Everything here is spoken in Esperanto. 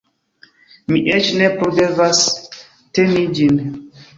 Mi eĉ ne plu devas teni ĝin